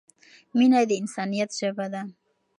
مینه د انسانیت ژبه ده.